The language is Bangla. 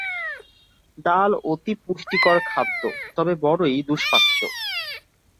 ডাল অতি পুষ্টিকর খাদ্য, তবে বড়ই দুষ্পাচ্য।